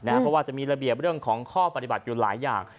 เพราะว่าจะมีระเบียบเรื่องของข้อปฏิบัติอยู่หลายอย่าง